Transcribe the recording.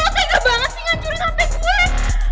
kayaknya banget sih ngancurin hp gue